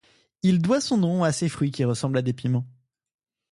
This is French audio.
Il doit son nom à ses fruits qui ressemblent à des piments.